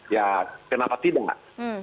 ya kenapa tidak